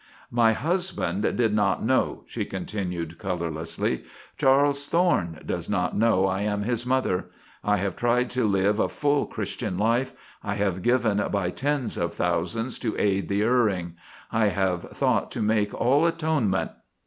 "My husband did not know," she continued, colourlessly. "Charles Thorne does not know I am his mother. I have tried to live a full Christian life. I have given by tens of thousands to aid the erring. I have thought to make all atonement....